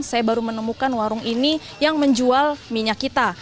saya baru menemukan warung ini yang menjual minyak kita